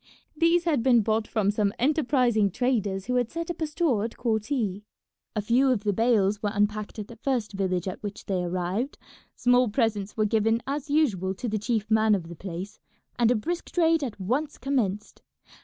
These had been bought from some enterprising traders who had set up a store at Korti. A few of the bales were unpacked at the first village at which they arrived; small presents were given as usual to the chief man of the place, and a brisk trade at once commenced.